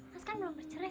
mas kan belum bercerai